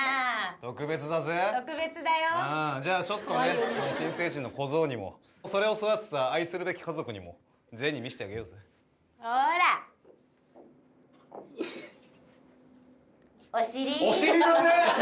特別だぜ特別だよじゃあちょっとねその新成人の小僧にもそれを育てた愛するべき家族にも全員に見してあげようぜほーらおしりおしりだぜ！